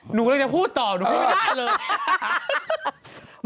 หนูกำลังจะพูดต่อหนูพูดไม่ได้เลย